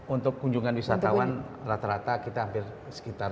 untuk kunjungan wisatawan rata rata kita hampir sekitar